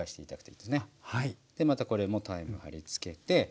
またこれもタイムを貼りつけて。